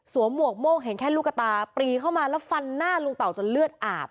หมวกโม่งเห็นแค่ลูกกระตาปรีเข้ามาแล้วฟันหน้าลุงเต่าจนเลือดอาบ